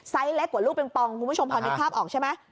เล็กกว่าลูกปิงปองคุณผู้ชมพอนึกภาพออกใช่ไหม